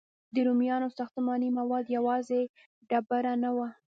د رومیانو ساختماني مواد یوازې ډبره نه وه.